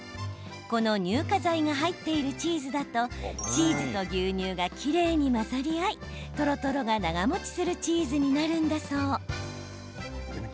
この乳化剤が入っているチーズだとチーズと牛乳がきれいに混ざり合いとろとろが長もちするチーズになるんだそう。